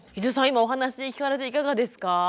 今お話聞かれていかがですか？